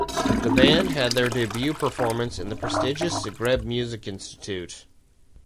The band had their debut performance in the prestigious Zagreb Music Institute.